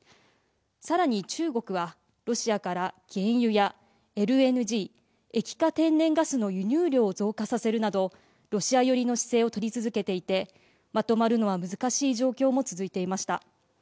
さらに中国はロシアから原油やＬＮＧ＝液化天然ガスの輸入量を増加させるなどロシア寄りの姿勢を取り続けていてまとまるのは難しい状況も続いていました。